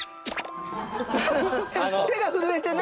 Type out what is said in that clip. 手が震えてね。